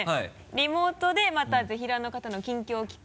リモートでまたぜひらーの方の近況を聞く